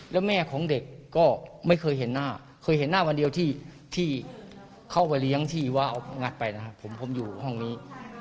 แล้วแม่ของเด็กก็ไม่เคยเห็นหน้าเคยเห็นหน้าวันเดียวที่เข้าไปเลี้ยงที่ว่าเอางัดไปนะครับผมอยู่ห้องนี้